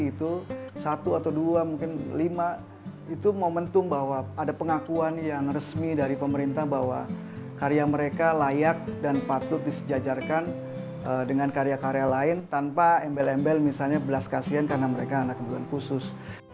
itu satu atau dua mungkin lima itu momentum bahwa ada pengakuan yang resmi dari pemerintah bahwa karya mereka layak dan patut disejajarkan dengan karya karya lain tanpa embel embel misalnya belas kasihan karena mereka anak kebutuhan khusus